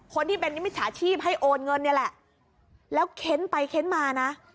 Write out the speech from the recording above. คนที่เป็นนิมิจฉาชีพให้โอนเงินนี่แหละแล้วเค้นไปเค้นมานะ